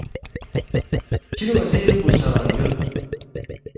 کِھری وزیر پو سہ یود